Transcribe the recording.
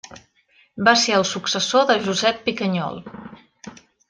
Va ser el successor de Josep Picanyol.